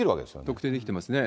特定できてますね。